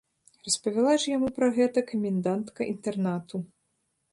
Распавяла ж яму пра гэта камендантка інтэрнату.